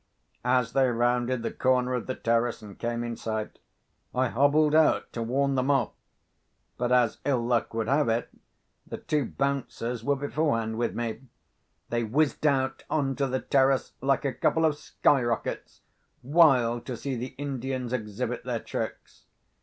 As they rounded the corner of the terrace, and came in sight, I hobbled out to warn them off. But, as ill luck would have it, the two Bouncers were beforehand with me. They whizzed out on to the terrace like a couple of skyrockets, wild to see the Indians exhibit their tricks.